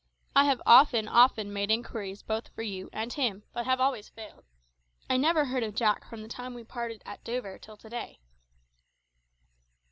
I have often, often made inquiries both for you and him, but have always failed. I never heard of Jack from the time we parted at Dover till to day."